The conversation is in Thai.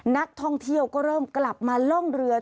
นักท่องเที่ยวก็เริ่มกลับมาล่องเรือ